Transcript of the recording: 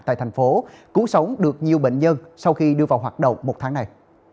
tại thành phố cứu sống được nhiều bệnh nhân sau khi đưa vào hoạt động một tháng này